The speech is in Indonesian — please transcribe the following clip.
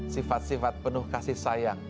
sifat sifat penuh kasih sayang